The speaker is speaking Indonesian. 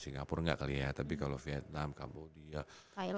kalau singapura gak kali ya tapi kalau vietnam cambodia thailand